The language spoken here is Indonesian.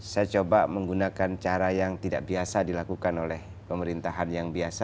saya coba menggunakan cara yang tidak biasa dilakukan oleh pemerintahan yang biasa